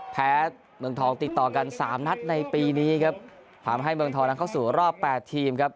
แพ้เมืองทองติดต่อกันสามนัดในปีนี้ครับทำให้เมืองทองนั้นเข้าสู่รอบแปดทีมครับ